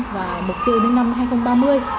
và mục tiêu đến năm hai nghìn ba mươi